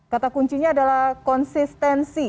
kata kuncinya adalah konsistensi